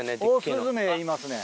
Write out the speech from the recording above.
オオスズメいますね。